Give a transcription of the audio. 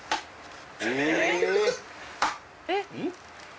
えっ！